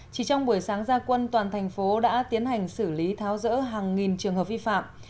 chỉ trong buổi sáng ra quân toàn thành phố đã tiến hành xử lý tháo rỡ hàng nghìn trường hợp vi phạm